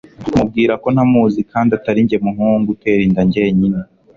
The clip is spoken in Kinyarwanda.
mubwira ko ntamuzi kandi atarinjye muhungu uterinda njye nyine